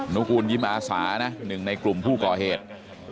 นุกูลยิ้มอาสานะหนึ่งในกลุ่มผู้ก่อเหตุ